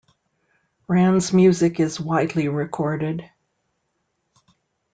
Rands's music is widely recorded.